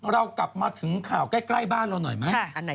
เรากลับมาถึงข่าวใกล้บ้านเราหน่อยไหม